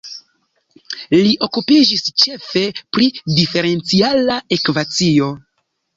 Li okupiĝis ĉefe pri Diferenciala ekvacio.